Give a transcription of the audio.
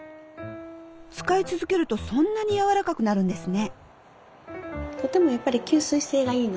使い続けるとそんなに柔らかくなるんですね。